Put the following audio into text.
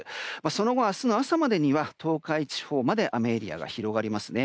その後明日の朝までには東海地方にまで雨エリアが広がります。